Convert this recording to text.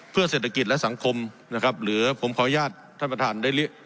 เพื่อเศรษฐกิจและสังคมนะครับหรือผมขออนุญาตท่านประธานได้